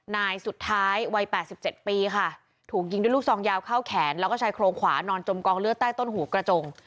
นายสุดท้ายวัย๘๗ปีค่ะถูกยิงด้วยลูกซองยาวเข้าแขนแล้วก็ชายโครงขวานอนจมกองเลือดใต้ต้นหูกระจง